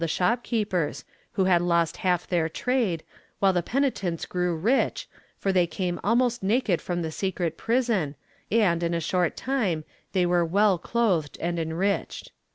156 HAltSHER PENALTIES [Book VII shopkeepers, who had lost half of their trade, while the penitents grew rich, for they came almost naked from the secret prison and, in a short time, they were well clothed and enriched.